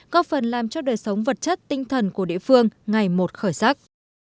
có phần làm cho đời sống vật chất tinh thần của địa phương ngày một khởi sắc